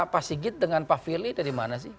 pak sigit dengan pak firly dari mana sih